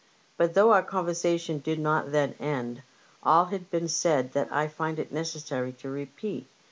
* But though our conversation did not then end, all had been said that I find it necessary to repeat.